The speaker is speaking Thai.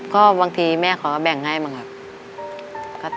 ก็บางทีแม่เขาก็แบ่งให้บ้างครับ